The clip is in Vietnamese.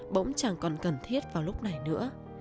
bỗng chẳng còn cần thiết vào lúc này nữa